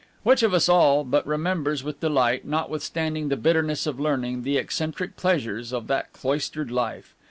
Which of us all but remembers with delight, notwithstanding the bitterness of learning, the eccentric pleasures of that cloistered life?